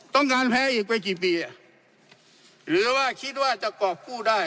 ต้องการแพ้อีกไปกี่ปีหรือว่าคิดว่าจะกรอบคู่ได้